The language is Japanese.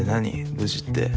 無事って。